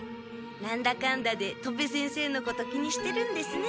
なんだかんだで戸部先生のこと気にしてるんですね。